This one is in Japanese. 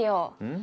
ん？